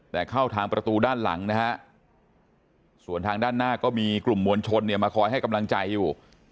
แต่เข้าทางประตูด้านหลังนะฮะส่วนทางด้านหน้าก็มีกลุ่มมวลชนเนี่ยมาคอยให้กำลังใจอยู่